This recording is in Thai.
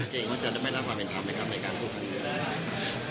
คุณเก่งว่าจะไม่รับความเป็นธรรมในการสู้ความเงินเลยนะ